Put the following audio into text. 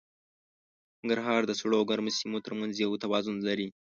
ننګرهار د سړو او ګرمو سیمو تر منځ یو توازن لري.